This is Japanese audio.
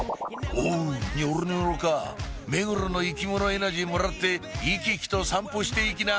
おニョロニョロか目黒の生き物エナジーもらって生き生きと散歩していきな！